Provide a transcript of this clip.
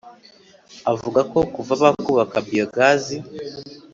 avuga ko kuva bakubaka biyogazi